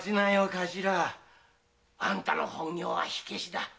頭あんたの本業は火消しだ。